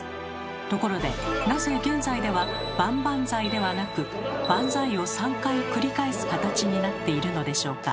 ところでなぜ現在では「バンバンザイ」ではなく「バンザイ」を３回繰り返す形になっているのでしょうか？